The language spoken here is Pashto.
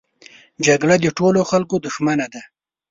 جګړه د ټولو خلکو دښمنه ده